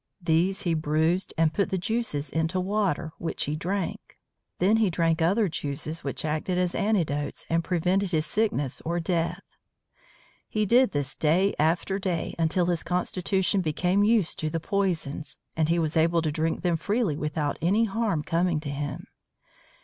These he bruised and put the juices into water, which he drank. Then he drank other juices which acted as antidotes and prevented his sickness or death. He did this day after day until his constitution became used to the poisons, and he was able to drink them freely without any harm coming to him.